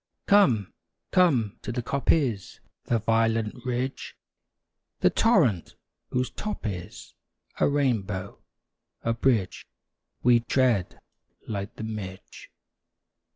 Come, come to the coppice, The violet ridge; The torrent, whose top is A rainbow, a bridge We tread like the midge.